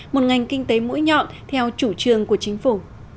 một ngành kinh tế mũi nhọn theo chủ trương của chính phủ